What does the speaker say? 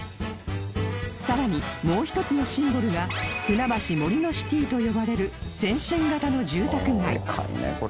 さらにもう一つのシンボルがふなばし森のシティと呼ばれる先進型の住宅街